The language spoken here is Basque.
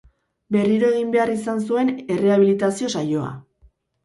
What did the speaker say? Berriro egin behar izan zuen errehabilitazio saioa.